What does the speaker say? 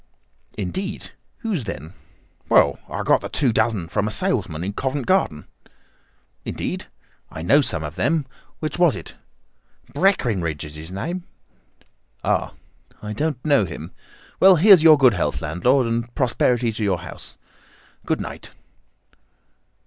"Indeed! Whose, then?" "Well, I got the two dozen from a salesman in Covent Garden." "Indeed? I know some of them. Which was it?" "Breckinridge is his name." "Ah! I don't know him. Well, here's your good health landlord, and prosperity to your house. Good night."